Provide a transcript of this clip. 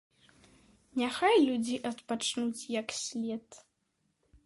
Няхай людзі адпачнуць, як след.